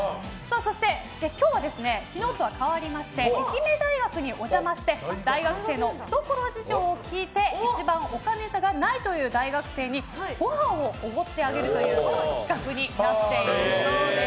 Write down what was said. そして、今日は昨日とは変わりまして愛媛大学にお邪魔して大学生の懐事情を聞いて一番お金がないという大学生にごはんをおごってあげるという企画になっています。